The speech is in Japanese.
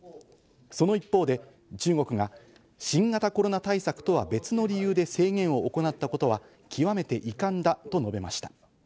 その一方で中国が新型コロナ対策とは別の理由で制限を行ったことは極めて遺憾だと述べました。